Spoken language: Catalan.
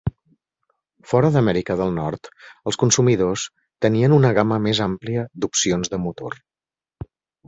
Fora d'Amèrica del Nord, els consumidors tenien una gama més àmplia d'opcions de motor.